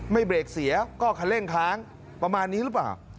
เบรกเสียก็คันเร่งค้างประมาณนี้หรือเปล่า